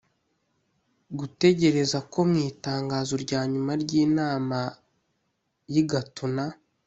gutegereza ko mu itangazo rya nyuma ry’inama y’i gatuna,